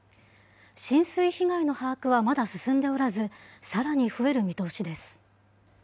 浸水被害の把握はまだ進んでおらず、さらに増える見通しです。